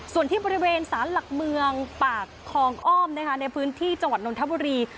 ส่วนที่บริเวณสารหลักเมืองปากคลองอ้อมในพื้นที่จังหวัดนนทบุรี